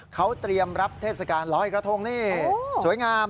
เขาเตรียมรับเทศกาลลอยกระทงนี่สวยงาม